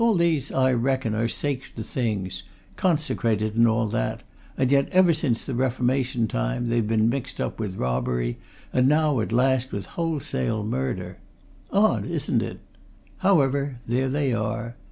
"All these, I reckon, are sacred things, consecrated and all that, and yet ever since that Reformation time, they've been mixed up with robbery, and now at last with wholesale murder! Odd, isn't it? However, there they are!